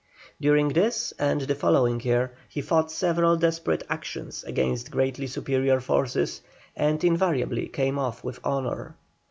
During this and the following year he fought several desperate actions against greatly superior forces, and invariably came off with honour.